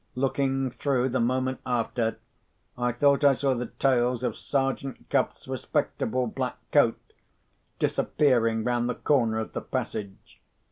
Looking through, the moment after, I thought I saw the tails of Sergeant Cuff's respectable black coat disappearing round the corner of the passage.